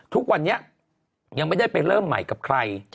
ทุกวันนี้ยังไม่ได้ไปเริ่มใหม่กับใคร